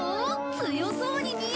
強そうに見える？